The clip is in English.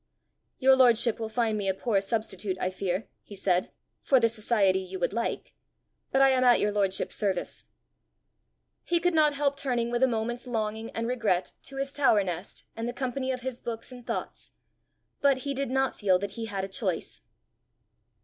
"Your lordship will find me a poor substitute, I fear," he said, "for the society you would like. But I am at your lordship's service." He could not help turning with a moment's longing and regret to his tower nest and the company of his books and thoughts; but he did not feel that he had a choice.